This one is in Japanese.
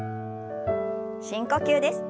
深呼吸です。